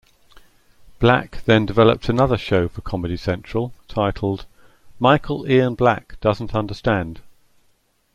Black then developed another show for Comedy Central titled "Michael Ian Black Doesn't Understand".